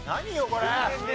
これ。